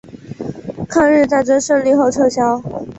抗日战争胜利后撤销。